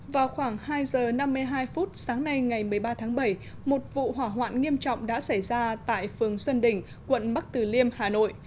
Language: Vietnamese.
vào khoảng hai giờ năm mươi hai phút sáng nay ngày một mươi ba tháng bảy một vụ hỏa hoạn nghiêm trọng đã xảy ra tại phường xuân đỉnh quận bắc từ liêm hà nội